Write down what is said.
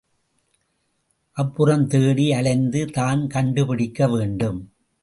அப்புறம் தேடி அலைந்து தான் கண்டுபிடிக்க வேண்டும்.